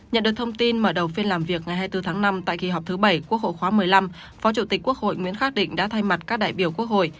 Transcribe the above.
nhận được thông tin mở đầu phiên làm việc ngày hai mươi bốn tháng năm tại kỳ họp thứ bảy quốc hội khóa một mươi năm phó chủ tịch quốc hội nguyễn khắc định đã thay mặt các đại biểu quốc hội